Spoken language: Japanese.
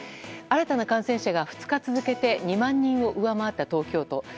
新たな感染者が２日続けて２万人を上回った東京都。